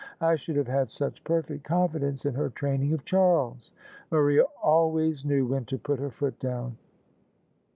I should have had such perfect confidence in her training of Charles. Maria always knew when to put her foot down."